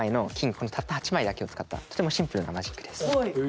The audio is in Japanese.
このたった８枚だけを使ったとてもシンプルなマジックです。